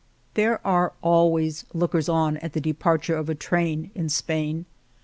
There are always lookers on at the departure of a train in Spain.